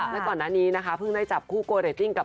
และก่อนหน้านี้นะคะเพิ่งได้จับคู่โกเรตติ้งกับ